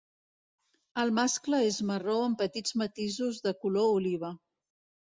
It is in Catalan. Els mascle és marró amb petits matisos de color oliva.